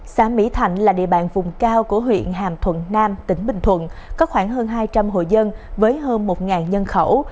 xã mỹ thạnh là địa bàn vùng cao của huyện hàm thuận nam tỉnh bình thuận có khoảng hơn hai trăm linh hội dân với hơn một nhân khẩu